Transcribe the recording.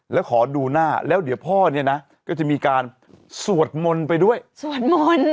แล้วขอดูหน้าแล้วเดี๋ยวพ่อเนี่ยนะก็จะมีการสวดมนต์ไปด้วยสวดมนต์